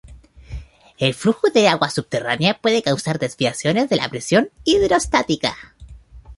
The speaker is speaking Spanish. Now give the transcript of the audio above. El flujo de agua subterránea puede causar desviaciones de la presión hidrostática.